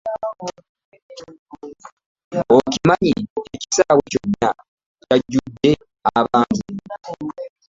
Okimanyi nti ekisaawe kyonna kyajudde abantu.